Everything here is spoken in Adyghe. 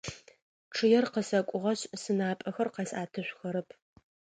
Чъыер къысэкӏугъэшъ сынапӏэхэр къэсӏэтышъухэрэп.